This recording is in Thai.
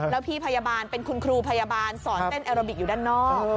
แล้วพี่พยาบาลเป็นคุณครูพยาบาลสอนเต้นแอโรบิกอยู่ด้านนอก